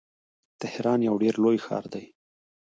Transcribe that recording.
تهران یو ډیر لوی ښار دی.